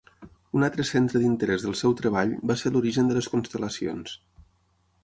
Un altre centre d'interés del seu treball va ser l'origen de les constel·lacions.